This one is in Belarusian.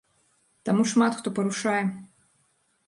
Таму шмат хто парушае.